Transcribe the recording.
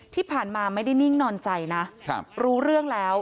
ที่ผ่านมาไม่ได้นิ่งนอนใจนะรู้เรื่องแล้ว